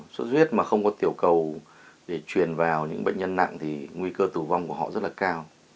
sốt huyết mà không có tiểu cầu để chuyển vào những bệnh nhân nặng thì nguy cơ tử vong của họ rất là cao